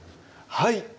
はい。